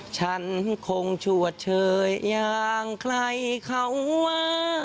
ฉันคงชวดเชยอย่างใครเขาว่า